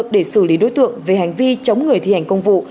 để xử lý đối tượng về hành vi chống người thi hành công vụ